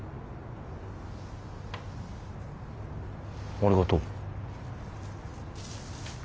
ありがとう。